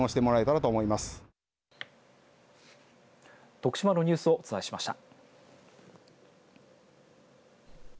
徳島のニュースをお伝えしました。